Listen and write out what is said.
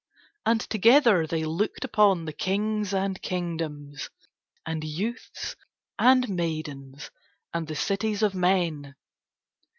And together they looked upon the kings and kingdoms, and youths and maidens and the cities of men.